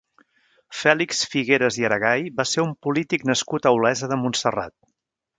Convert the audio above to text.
Fèlix Figueras i Aragay va ser un polític nascut a Olesa de Montserrat.